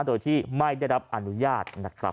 โดยที่ไม่ได้รับอนุญาต